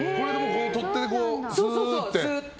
取っ手がスーっと。